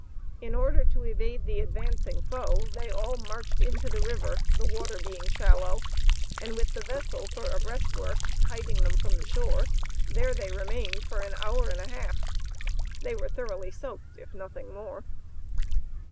In order to evade the advancing foe, they all marched into the river, the water being shallow, and with the vessel for a breastwork hiding them from the shore, there they remained for an hour and a half. They were thoroughly soaked if nothing more.